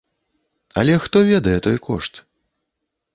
Але хто ведае той кошт?